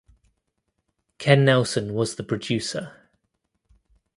Ken Nelson was the producer.